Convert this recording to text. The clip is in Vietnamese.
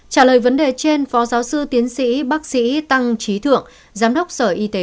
trả lời vấn đề trên phó giáo sư tiến sĩ bác sĩ tăng trí thượng giám đốc sở y tế